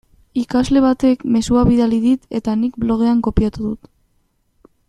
Ikasle batek mezua bidali dit eta nik blogean kopiatu dut.